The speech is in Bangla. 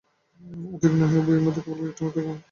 অধিক নহে, উভয়ের মধ্যে কেবল একখানিমাত্র ঘোমটার ব্যবধান।